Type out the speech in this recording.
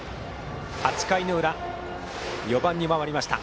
８回の裏、４番に回りました。